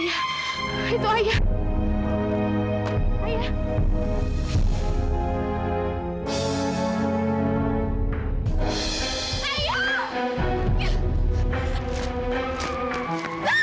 mudah mudahan aja batinnya bisa nurunin panasin